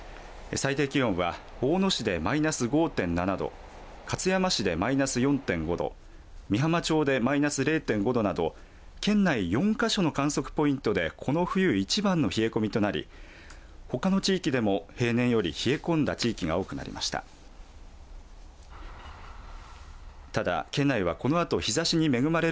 最低気温は大野市でマイナス５．７度勝山市でマイナス４．５度美浜町でマイナス０．５度など県内４か所の観測ポイントでこの冬一番の冷え込みとなりほかの地域でも平年より冷え込んだ地域が多くなりました。